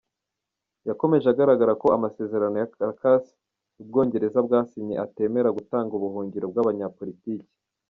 Yakomeje agaragaza ko amasezerano ya Caracas u Bwongereza bwasinye atemera gutanga ubuhungiro bw’abanyapolitiki.